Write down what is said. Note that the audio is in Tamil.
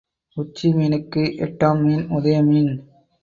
உச்சி மீனுக்கு எட்டாம் மீன் உதய மீன்.